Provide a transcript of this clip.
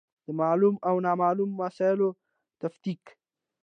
د معلومو او نامعلومو مسایلو تفکیک.